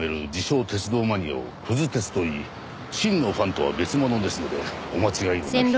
鉄道マニアをクズ鉄といい真のファンとは別物ですのでお間違いのなきよう。